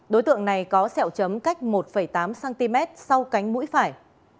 đối tượng này có sẹo chấm cách một tám cm sau cánh mũi phải